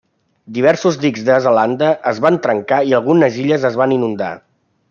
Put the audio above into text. Diversos dics de Zelanda es van trencar i algunes illes es van inundar.